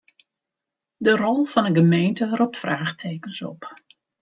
De rol fan 'e gemeente ropt fraachtekens op.